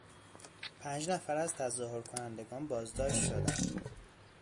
پنج نفر از تظاهرکنندگان بازداشت شدند.